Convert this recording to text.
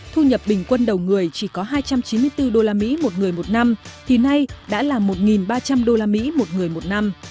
thu nhập bình quân đầu người chỉ có hai trăm chín mươi bốn usd một người một năm thì nay đã là một ba trăm linh usd một người một năm